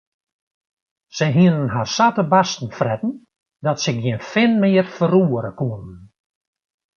Se hiene har sa te barsten fretten dat se gjin fin mear ferroere koene.